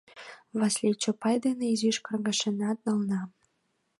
Васлий Чопай дене изиш каргашенат нална.